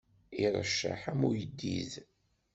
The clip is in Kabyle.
Iṛecceḥ am uyeddid.